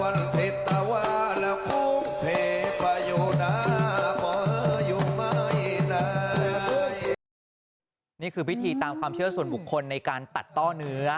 นี่คือพิธีตามความเชื่อส่วนบุคคลในการตัดต้อเนื้อ